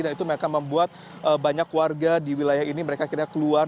dan itu memang akan membuat banyak warga di wilayah ini mereka akhirnya keluar